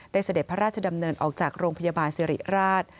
เสด็จพระราชดำเนินออกจากโรงพยาบาลสิริราช